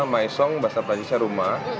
maesong bahasa prancisa rumah